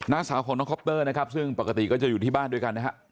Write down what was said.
สาวของน้องคอปเตอร์นะครับซึ่งปกติก็จะอยู่ที่บ้านด้วยกันนะฮะ